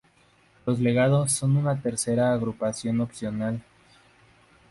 Los legados son una tercera agrupación opcional.